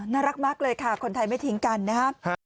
น่ารักมากเลยค่ะคนไทยไม่ทิ้งกันนะครับ